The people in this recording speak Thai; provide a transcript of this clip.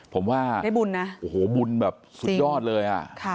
ผมว่าบุญแบบสุดยอดเลย